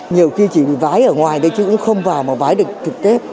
nhiều khi chỉ vái ở ngoài đấy chứ cũng không vào mà vái được thực tếp